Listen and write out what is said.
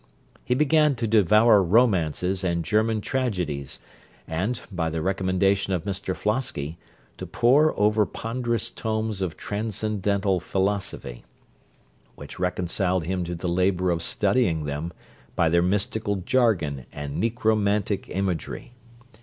He began to devour romances and German tragedies, and, by the recommendation of Mr Flosky, to pore over ponderous tomes of transcendental philosophy, which reconciled him to the labour of studying them by their mystical jargon and necromantic imagery.